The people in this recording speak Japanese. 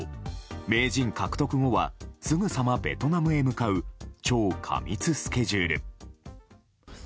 名人獲得後はすぐさまベトナムへ向かう超過密スケジュール。